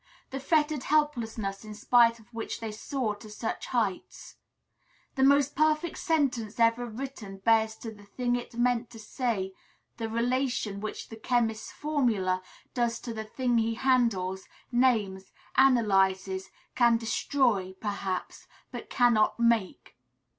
The fettered helplessness in spite of which they soar to such heights? The most perfect sentence ever written bears to the thing it meant to say the relation which the chemist's formula does to the thing he handles, names, analyzes, can destroy, perhaps, but cannot make.